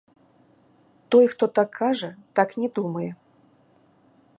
Той, хто так кажа, так не думае.